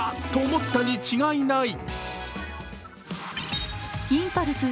思ったに違いない。